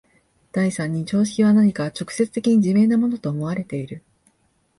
第三に常識は何か直接的に自明なものと思われている。